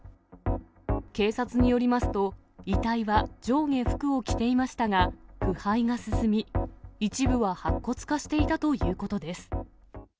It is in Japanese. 警察によりますと、遺体は上下服を着ていましたが、腐敗が進み、一部は白骨化していたということです。